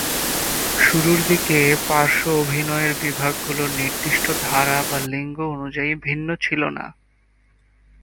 শুরুর দিকে পার্শ্ব অভিনয়ের বিভাগগুলো নির্দিষ্ট ধারা বা লিঙ্গ অনুযায়ী ভিন্ন ছিল না।